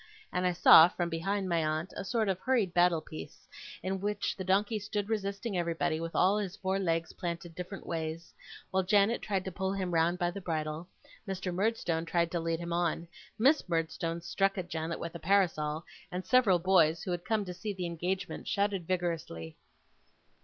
and I saw, from behind my aunt, a sort of hurried battle piece, in which the donkey stood resisting everybody, with all his four legs planted different ways, while Janet tried to pull him round by the bridle, Mr. Murdstone tried to lead him on, Miss Murdstone struck at Janet with a parasol, and several boys, who had come to see the engagement, shouted vigorously.